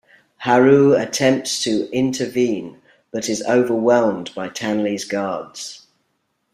Haru attempts to intervene but is overwhelmed by Tanley's guards.